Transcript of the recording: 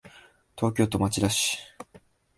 東京都町田市